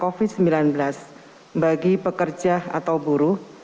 kita akan memitigasi dampak covid sembilan belas bagi pekerja atau buruh